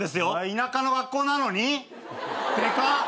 田舎の学校なのに！？でかっ！